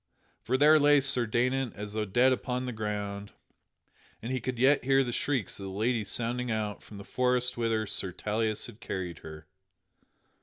For there lay Sir Daynant as though dead upon the ground, and he could yet hear the shrieks of the lady sounding out from the forest whither Sir Tauleas had carried her.